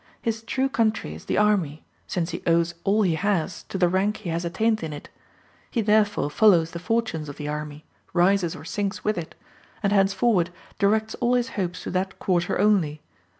His true country is the army, since he owes all he has to the rank he has attained in it; he therefore follows the fortunes of the army, rises or sinks with it, and henceforward directs all his hopes to that quarter only.